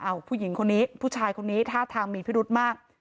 ผู้หญิงคนนี้ผู้ชายคนนี้ท่าทางมีพิรุธมาก